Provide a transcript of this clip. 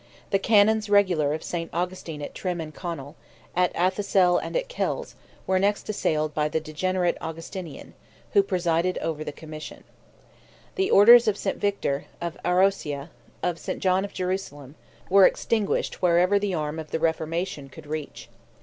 The Canons regular of St. Augustine at Trim, at Conal, at Athassel and at Kells, were next assailed by the degenerate Augustinian, who presided over the commission. The orders of St. Victor, of Aroacia, of St. John of Jerusalem, were extinguished wherever the arm of the Reformation could reach.